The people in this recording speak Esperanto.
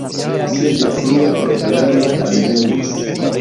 Sed frue problemo alvenis.